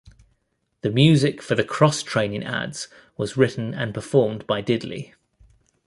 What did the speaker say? The music for the "Cross Training" ads was written and performed by Diddley.